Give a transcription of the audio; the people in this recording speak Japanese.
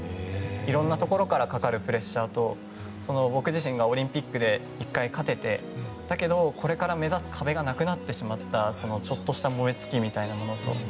いろんなところからかかるプレッシャーと僕自身がオリンピックで１回、勝ててだけど、これから目指す壁がなくなってしまったそのちょっとした燃えつきみたいなものと。